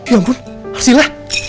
ya ampun arsila